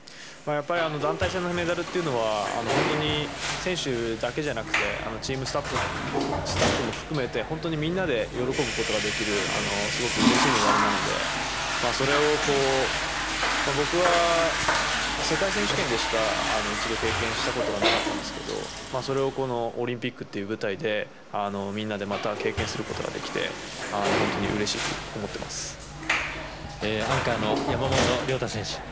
やっぱり団体戦のメダルっていうのは、本当に選手だけじゃなくて、チームスタッフも含めて、本当にみんなで喜ぶことができる、すごくうれしいメダルなので、それを僕は世界選手権でしか、一度経験したことがなかったんですけど、それをこのオリンピックっていう舞台で、みんなでまた経験することができて、本当にうれしくアンカーの山本涼太選手。